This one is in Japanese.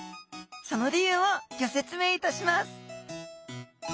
その理由をギョ説明いたします